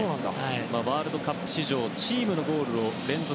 ワールドカップ史上チームのゴールを連続